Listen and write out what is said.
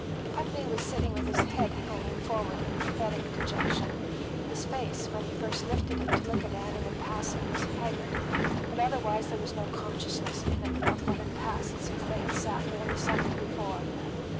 Putney was sitting with his head hanging forward in pathetic dejection; his face, when he first lifted it to look at Annie in passing, was haggard, but otherwise there was no consciousness in it of what had passed since they had sat there the Sunday before.